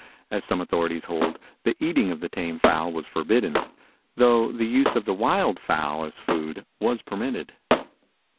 as some authorities hold, the eating of the tame fowl was forbidden, though the use of the wild fowl as food was permitted.